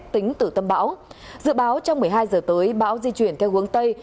tính từ tâm bão dự báo trong một mươi hai giờ tới bão di chuyển theo hướng tây